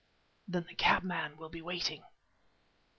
"Then the cabman will be waiting."